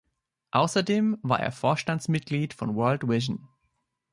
Außerdem war er Vorstandsmitglied von World Vision.